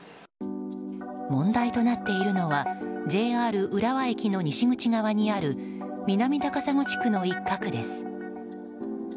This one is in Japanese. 問題となっているのはＪＲ浦和駅の西口側にある南高砂地区の一角です。